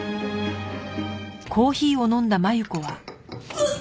うっ！